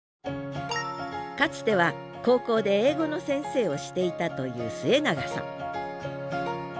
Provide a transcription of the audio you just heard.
かつては高校で英語の先生をしていたという末永さん